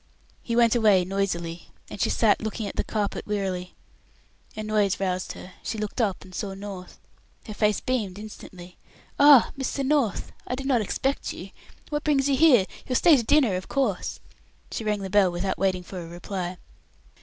He went away noisily, and she sat looking at the carpet wearily. A noise roused her. She looked up and saw North. Her face beamed instantly. "Ah! Mr. North, I did not expect you. What brings you here? You'll stay to dinner, of course." (She rang the bell without waiting for a reply.)